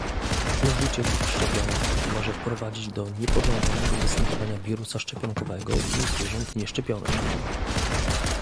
Użycie tych szczepionek może prowadzić do niepożądanego występowania wirusa szczepionkowego u zwierząt nieszczepionych